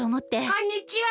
こんにちは。